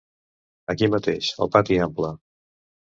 Aquí mateix, al pati Ample.